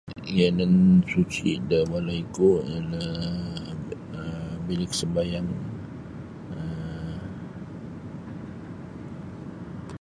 Yanan suci' da walaiku ialah um bilik sambayang um.